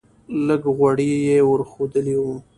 لږ غوړي یې ور ښودلی و.